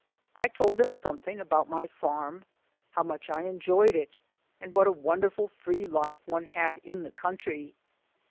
I told them something about my farm, how much I enjoyed it, and what a wonderful free life one had in the country.